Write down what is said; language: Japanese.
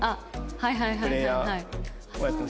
はいはいはいはい。